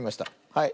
はい。